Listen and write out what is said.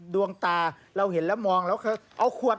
ดวงตาเราเห็นแล้วมองแล้วเขาเอาขวด